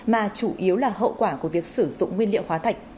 mà chủ yếu là hậu quả của việc sử dụng nguyên liệu hóa thạch